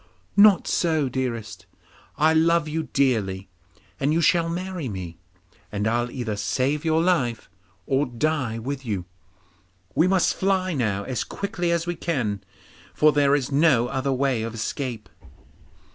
'Not so, dearest. I love you dearly, and you shall marry me, and I'll either save your life or die with you. We must fly now as quickly as we can, for there is no other way of escape.